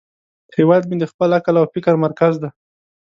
هیواد مې د خپل عقل او فکر مرکز دی